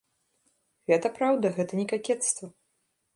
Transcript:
Гэта праўда, гэта не какецтва.